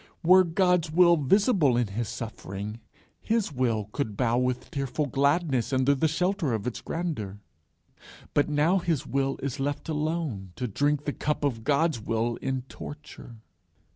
Were that Will visible in his suffering, his will could bow with tearful gladness under the shelter of its grandeur. But now his will is left alone to drink the cup of The Will in torture.